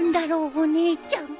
お姉ちゃん